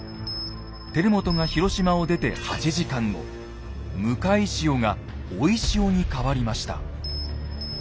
輝元が広島を出て８時間後向かい潮が追い潮に変わりました。